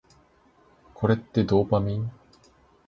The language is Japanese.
これってドーパミン？